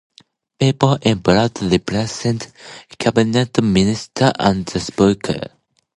People in bold represent cabinet ministers and the Speaker.